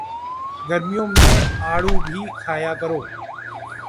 گرمیوں میں آڑو بھی کھایا کرو